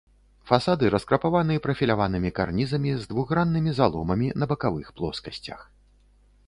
Фасады раскрапаваны прафіляванымі карнізамі з двухграннымі заломамі на бакавых плоскасцях.